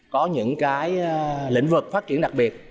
có những cái lĩnh vực phát triển đặc biệt